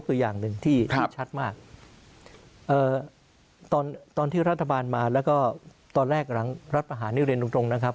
ตอนที่รัฐบาลมาแล้วก็ตอนแรกหลังรัฐประหารนี้เรียนตรงนะครับ